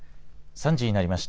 ３時になりました。